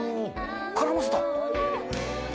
絡ませた。